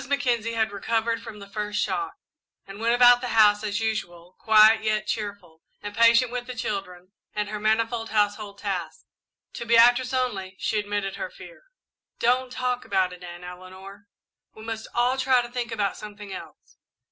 Mackenzie had recovered from the first shock and went about the house as usual, quiet yet cheerful, and patient with the children and her manifold household tasks. To Beatrice only she admitted her fear. "Don't talk about it, Aunt Eleanor we must all try to think about something else."